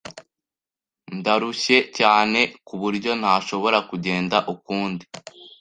Ndarushye cyane kuburyo ntashobora kugenda ukundi.